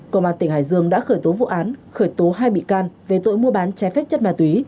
công an tỉnh hải dương đã khởi tố vụ án khởi tố hai bị can về tội mua bán trái phép chất ma túy